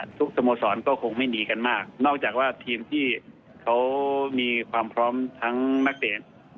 สโมสรก็คงไม่ดีกันมากนอกจากว่าทีมที่เขามีความพร้อมทั้งนักเตะ